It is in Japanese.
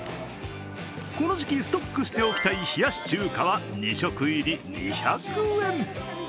この時期、ストックしておきたい冷やし中華は２食入り２００円。